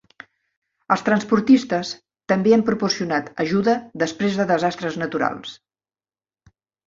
Els transportistes també han proporcionat ajuda després de desastres naturals.